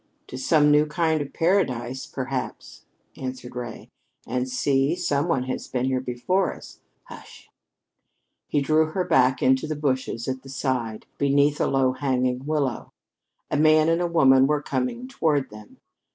"To some new kind of Paradise, perhaps," answered Ray. "And see, some one has been before us! Hush " He drew her back into the bushes at the side, beneath a low hanging willow. A man and a woman were coming toward them.